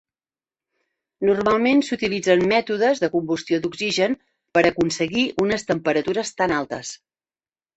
Normalment s'utilitzen mètodes de combustió d'oxigen per aconseguir unes temperatures tan altes.